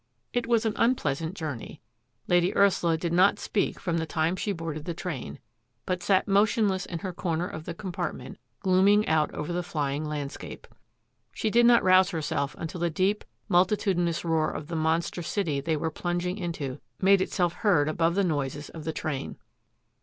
It was an unpleasant journey. Lady Ursula did not speak from the time she boarded the train, but sat motionless in her comer of the compart ment, glooming out over the flying landscape. She did not rouse herself until the deep, multitudinous roar of the monster city they were plunging into made itself heard above the noises of the train.